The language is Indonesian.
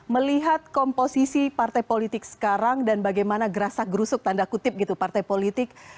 melihat komposisi partai politik sekarang dan bagaimana gerak gerusuk tanda kutip gitu partai politik